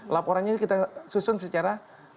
laporannya kita susun secara